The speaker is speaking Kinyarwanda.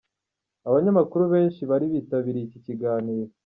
Abanyamakuru benshi bari bitabiriye iki kiganiro